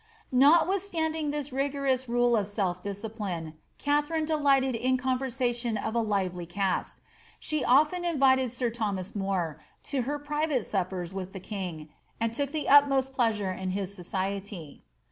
Notwithstanding this rigorous rule of self discipline, Katharine de^ lighted in conversation of a lively cast ; she often invited sir Thomas More to her private suppers with the king, and took the utmost pleasure in his society.